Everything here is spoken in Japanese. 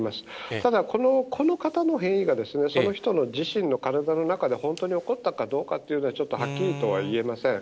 ただ、この方の変異が、その人の自身の体の中で本当に起こったかどうかというのは、ちょっとはっきりとは言えません。